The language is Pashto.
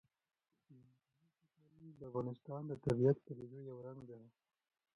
ځمکنی شکل د افغانستان د طبیعي پدیدو یو رنګ دی.